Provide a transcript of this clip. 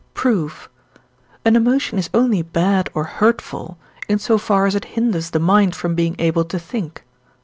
Proof. An emotion is only bad or hurtful, in so far as it hinders the mind from being able to think (IV.